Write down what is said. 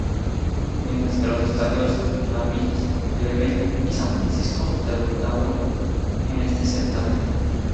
Mientras que los estadios de Nashville, Cleveland y San Francisco debutan en este certamen.